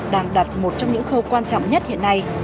đang đặt một trong những khâu quan trọng nhất hiện nay